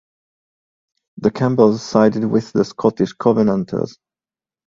The Campbells sided with the Scottish Covenanters.